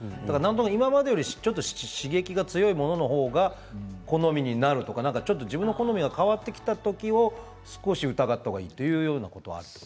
今までより刺激が強いものの方が好みになるとか、ちょっと自分の好みが変わってきた時を少し疑った方がいいというようなことは。